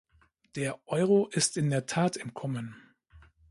Der Euro ist in der Tat im Kommen.